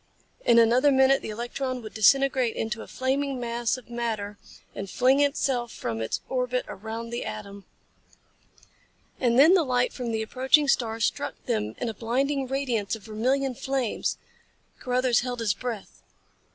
In another minute the electron would disintegrate into a flaming mass of matter and fling itself from its orbit around the atom. And then the light from the approaching star struck them in a blinding radiance of vermilion flames. Carruthers held his breath.